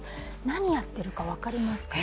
何やってるか分かりますか？